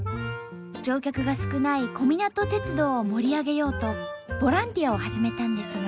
乗客が少ない小湊鉄道を盛り上げようとボランティアを始めたんですが。